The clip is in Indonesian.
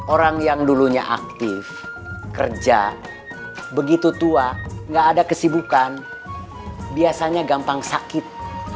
orang yang dulunya aktif kerja begitu tua gak ada kesibukan biasanya gampang sakit